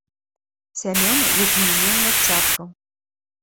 Сямёна, які не меў нашчадкаў.